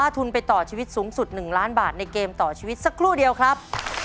ต่อชีวิตสักครู่เดียวครับ